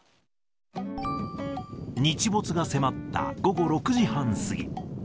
日没が迫った午後６時半過ぎ。